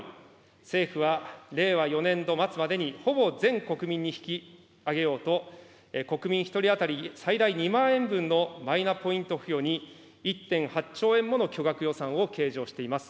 政府は令和４年度末までにほぼ全国民に引き上げようと、国民１人当たり最大２万円分のマイナポイント付与に１．８兆円もの巨額予算を計上しています。